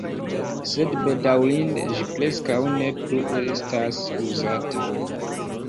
Sed bedaŭrinde, ĝi preskaŭ ne plu estas uzata.